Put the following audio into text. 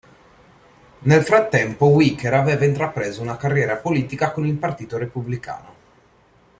Nel frattempo Wicker aveva intrapreso una carriera politica con il Partito Repubblicano.